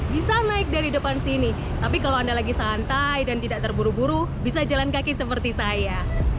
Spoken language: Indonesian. bisa naik dari depan sini tapi kalau anda lagi santai dan tidak terburu buru bisa jalan kaki seperti saya